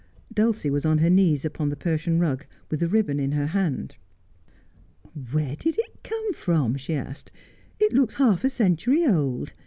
Dulcie was on her knees upon the Persian rug, with the ribbon in her hand. 96 Just as I Am. 1 Where did it come from ?' she asked ;' it looks half a century old.